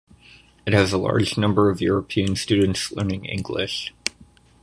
It has a large number of European students learning English.